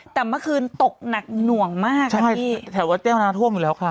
แต่เมื่อคืนตกหนักหน่วงมากครับพี่ใช่แถวว่าเต้อนานท่วมอยู่แล้วค่ะ